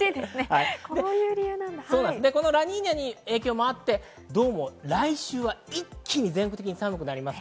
ラニーニャの影響もあって、どうも来週は一気に全国的に寒くなります。